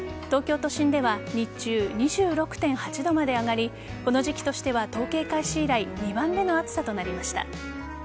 東京都心では日中、２６．８度まで上がりこの時期としては統計開始以来２番目の暑さとなりました。